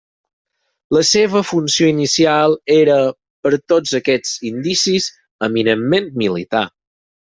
La seva funció inicial, era, per tots aquests indicis, eminentment militar.